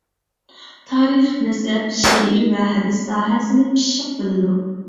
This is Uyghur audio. تارىخ، نەسەب، شېئىر ۋە ھەدىس ساھەسىنى پىششىق بىلىدۇ.